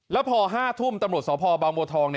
แล้วพอ๕ทุ่มตำรวจสพบางบัวทอง